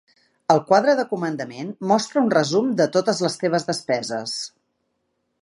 El quadre de comandament mostra un resum de totes les teves despeses.